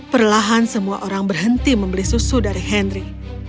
perlahan semua orang berhenti membeli susu dari henry